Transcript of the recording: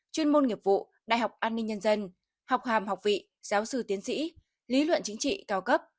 chuyên môn nghiệp vụ đại học an ninh nhân dân học hàm học vị giáo sư tiến sĩ lý luận chính trị cao cấp